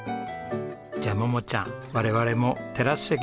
じゃあ桃ちゃん我々もテラス席で洞爺湖に。